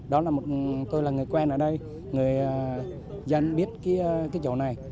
đó là một tôi là người quen ở đây người dân biết cái chỗ này